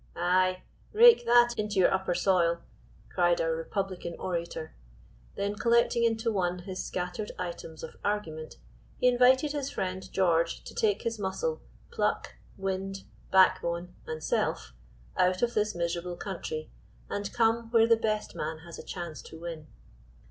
"Ay! rake that into your upper soil," cried our republican orator; then collecting into one his scattered items of argument, he invited his friend George to take his muscle, pluck, wind, backbone, and self, out of this miserable country, and come where the best man has a chance to win.